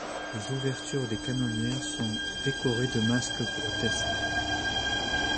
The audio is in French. Les ouvertures des canonnières sont décorées de masques grotesques.